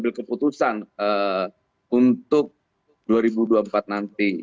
dalam memilih atau mengambil keputusan untuk dua ribu dua puluh empat nanti